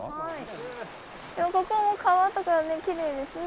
ここも川とかきれいですね。